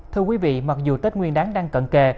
thưa quý vị mặc dù tết nguyên đáng đang cận kề